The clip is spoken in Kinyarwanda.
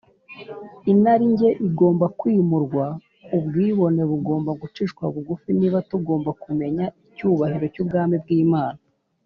. Inarijye igomba kwimurwa, ubwibone bugomba gucishwa bugufi, niba tugomba kumenya icyubahiro cy’Ubwami bw’Imana.